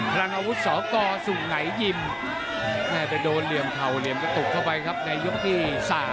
ลังอาวุธสกสุงไหนยิมแม่แต่โดนเหลี่ยมเข่าเหลี่ยมกระตุกเข้าไปครับในยกที่๓